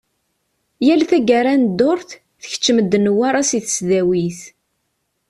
Yal taggara n ddurt, tkeččem-d Newwara si tesdawit.